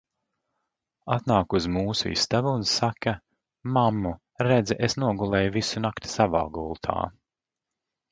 Atnāk uz mūsu istabu un saka "mammu, redzi, es nogulēju visu nakti savā gultā".